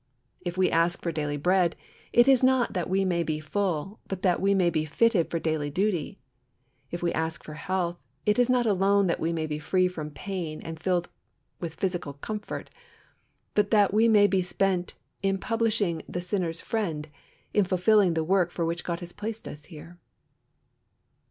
If we ask for daily bread, it is not that we may be full, but that we may be fitted for daily duty. If we ask for health, it is not alone that we may be free from pain and filled with physical comfort, but that we may be spent "in publishing the sinner's Friend," in fulfilling the work for which God has placed us here.